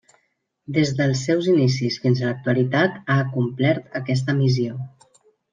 Des dels seus inicis fins a l'actualitat ha acomplert aquesta missió.